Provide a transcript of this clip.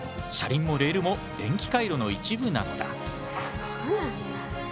車輪もレールも電気回路の一部なのだ。